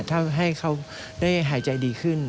ถ้าให้เขาได้หายใจดีขึ้น